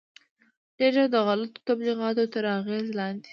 ډېر ژر د غلطو تبلیغاتو تر اغېز لاندې راځي.